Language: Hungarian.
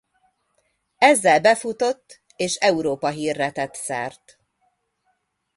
Ezzel befutott és Európa-hírre tett szert.